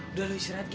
udah lu istirahat gi